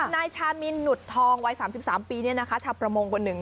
นายชามินหนุดทองวัย๓๓ปีนี่นะคะชาประมงกว่าหนึ่ง